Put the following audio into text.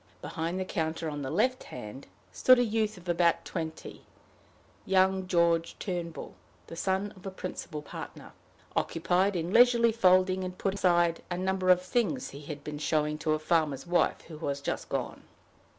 Behind the counter, on the left hand, stood a youth of about twenty, young George Turnbull, the son of the principal partner, occupied in leisurely folding and putting aside a number of things he had been showing to a farmer's wife, who was just gone.